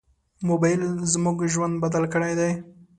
موبایل زموږ ژوند بدل کړی دی.